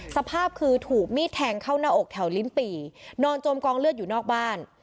สภาพคือถูกมีดแทงเข้าหน้าอกแถวลิ้นปี่นอนจมกองเลือดอยู่นอกบ้าน